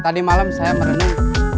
tadi malam saya merenung